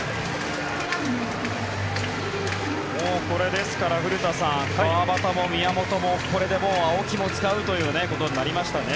ですから、古田さん川端も宮本もこれで青木も使うということになりましたね。